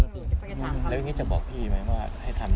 แล้วอย่างนี้จะบอกพี่ไหมว่าให้ทำ